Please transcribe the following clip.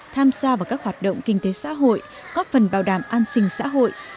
tham gia vào các hoạt động kinh tế xã hội góp phần bảo đảm an sinh xã hội